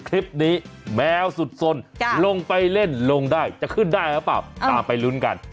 แมวสุดสนลงไปเล่นลงได้จะขึ้นได้หรือเปล่าตามไปลุ้นกัน